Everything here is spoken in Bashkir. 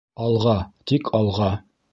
Алға, тик алға!